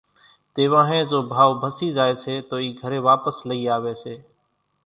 تيوانۿين زو ڀائو ڀسِي زائي سي تو اِي گھرين واپس لئي آوي سي